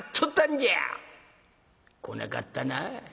来なかったな。